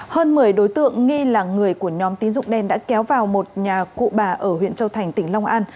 hơn một mươi đối tượng nghi là người của nhóm tín dụng đen đã kéo vào một nhà cụ bà ở huyện châu thành tỉnh long an